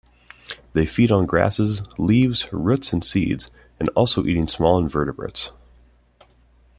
They feed on grasses, leaves, roots and seeds, also eating small invertebrates.